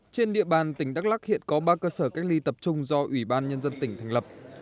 trên địa bàn tỉnh đắk lắc hiện có ba cơ sở cách ly tập trung do ủy ban nhân dân tỉnh thành lập